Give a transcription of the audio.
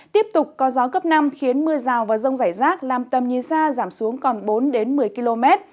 tiếp tục có gió cấp năm khiến mưa rào và rông rải rác làm tầm nhìn xa giảm xuống còn bốn đến một mươi km